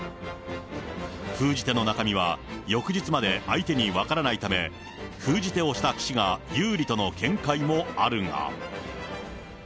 封じ手の中身は、翌日まで相手に分からないため、封じ手をした棋士が有利との見解もあるが。